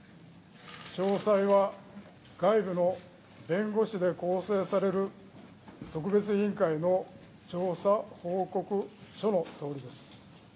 詳細は外部の弁護士で構成される特別委員会の調査報告書のとおりです。